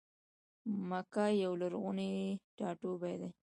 مکه یو لرغونی ټا ټوبی دی.